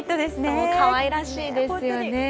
そう、かわいらしいですよね。